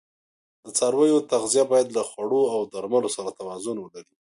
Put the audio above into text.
د څارویو تغذیه باید له خوړو او درملو سره توازون ولري.